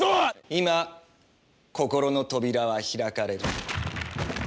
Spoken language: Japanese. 今心の扉は開かれる。